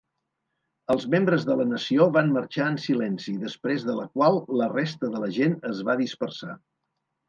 Els membres de la nació van marxar en silenci, després de la qual la resta de la gent es va dispersar.